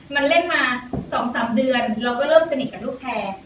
มันเล่นมา๒๓เดือนเราก็เริ่มสนิทกับลูกแชร์